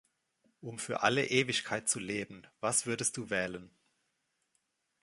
Um für alle Ewigkeit zu leben, was würdest du wählen?